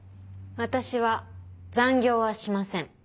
私は残業はしません。